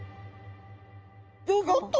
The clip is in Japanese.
ギョギョッと！